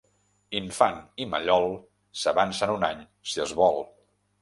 Infant i mallol, s'avancen un any si es vol.